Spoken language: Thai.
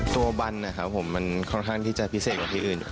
ตัวบันนะครับผมมันค่อนข้างที่จะพิเศษกว่าที่อื่น